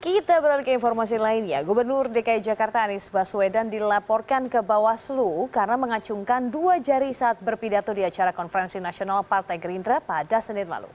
kita beralih ke informasi lainnya gubernur dki jakarta anies baswedan dilaporkan ke bawaslu karena mengacungkan dua jari saat berpidato di acara konferensi nasional partai gerindra pada senin lalu